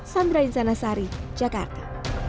sandra insanasari jakarta